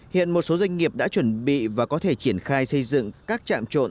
hiện một số doanh nghiệp đã chuẩn bị và có thể triển khai xây dựng các trạm trộn